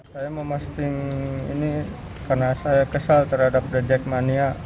saya memastikan ini karena saya kesal terhadap the jack mania